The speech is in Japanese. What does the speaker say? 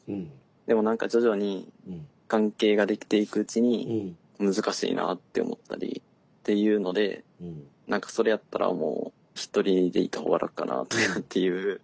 でも何か徐々に関係ができていくうちに難しいなって思ったりっていうので何かそれやったらもうひとりでいた方が楽かなとかっていう。